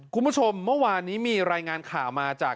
คุณผู้ชมเมื่อวานนี้มีรายงานข่าวมาจาก